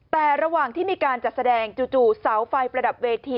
แต่ระหว่างที่มีการจัดแสดงจู่เสาไฟประดับเวที